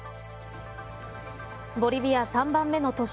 ボリビア３番目の都市